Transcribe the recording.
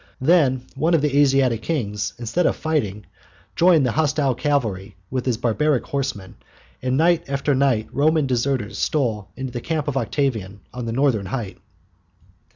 Then one of the Asiatic kings, instead of fighting, joined the hostile cavalry with his barbaric horsemen, and night after night Roman deserters stole into the camp of Octavian on the northern height.